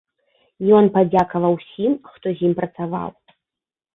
Ён падзякаваў усім, хто з ім працаваў.